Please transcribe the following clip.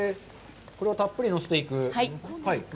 これをたっぷりのせていく。